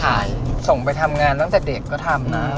ส่งไปทำงานตั้งแต่เด็กก็ทำนะ